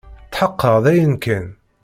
Tḥeqqeɣ dayen kan.